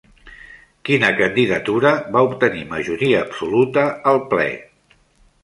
Quina candidatura va obtenir majoria absoluta al ple?